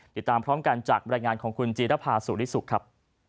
ติดตามพร้อมกันจากบรรยายงานของคุณจีรภาสุริสุขครับ